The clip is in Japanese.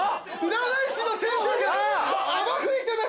占い師の先生が泡吹いてます！